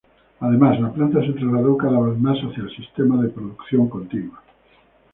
Además la planta se trasladó cada vez más hacia el sistema de producción continua.